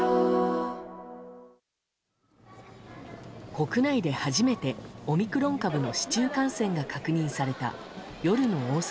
国内で初めてオミクロン株への市中感染が確認された夜の大阪。